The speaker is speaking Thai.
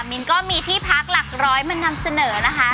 มินก็มีที่พักหลักร้อยมานำเสนอนะคะ